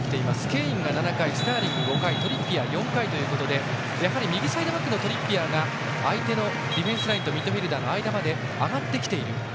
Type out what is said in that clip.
ケインが７回、スターリング５回トリッピアーは４回ということで右サイドバックのトリッピアーが相手ディフェンスラインとミッドフィールダーの間まで上がってきている。